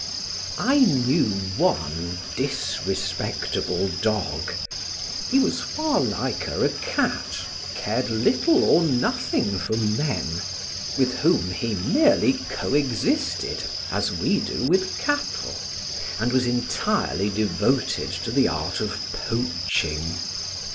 I knew one disrespectable dog. He was far liker a cat; cared little or nothing for men, with whom he merely coexisted as we do with cattle, and was entirely devoted to the art of poaching.